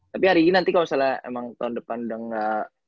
tapi ari gi nanti kalo misalnya emang tahun depan udah ga